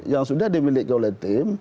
yang sudah dimiliki oleh tim